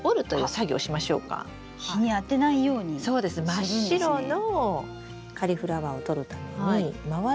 真っ白のカリフラワーをとるために周りの葉を。